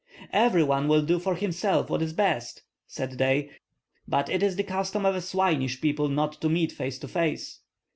"Every one will do for himself what is best," said they; "but it is the custom of a swinish people not to meet face to face."